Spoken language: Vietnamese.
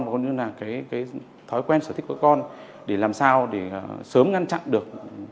cũng như là cái thói quen sở thích của con để làm sao để sớm ngăn chặn được